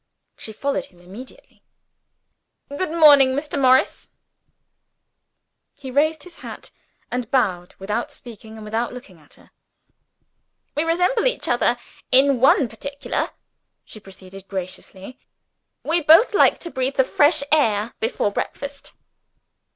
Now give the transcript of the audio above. She followed him immediately. "Good morning, Mr. Morris." He raised his hat and bowed without speaking, and without looking at her. "We resemble each other in one particular," she proceeded, graciously; "we both like to breathe the fresh air before breakfast."